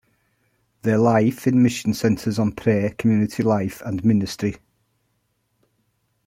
Their life in mission centers on prayer, community life and ministry.